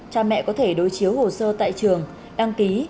cha mẹ có thể đối chiếu hồ sơ tại trường đăng ký